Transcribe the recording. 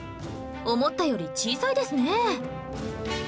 思ったより小さいですね